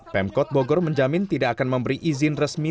pemkot bogor menjamin tidak akan memberi izin resmi